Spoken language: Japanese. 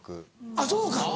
あっそうか！